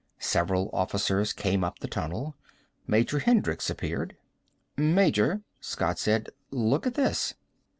Several officers came up the tunnel. Major Hendricks appeared. "Major," Scott said. "Look at this."